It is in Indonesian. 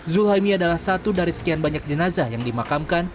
zulhami adalah satu dari sekian banyak jenazah yang dimakamkan